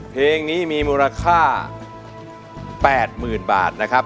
เพลงนี้มีมูลค่า๘๐๐๐บาทนะครับ